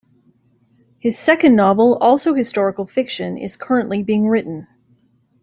His second novel, also historical fiction, is currently being written.